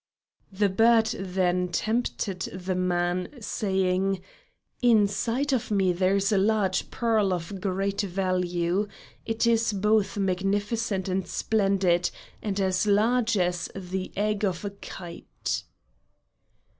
The bird then tempted the man, saying: "Inside of me there is a large pearl of great value; it is both magnificent and splendid, and as large as the egg of a kite."